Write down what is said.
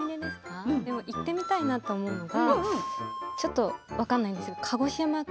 行ってみたいなと思うのがちょっと分からないけど鹿児島か